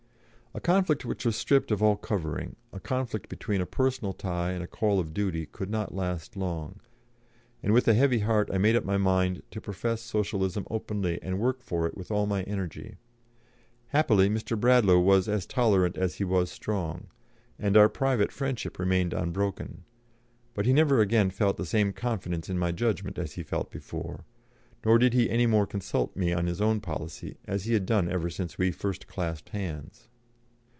A conflict which was stripped of all covering, a conflict between a personal tie and a call of duty could not last long, and with a heavy heart I made up my mind to profess Socialism openly and work for it with all my energy. Happily, Mr. Bradlaugh was as tolerant as he was strong, and our private friendship remained unbroken; but he never again felt the same confidence in my judgment as he felt before, nor did he any more consult me on his own policy, as he had done ever since we first clasped hands.